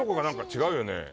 違うよね。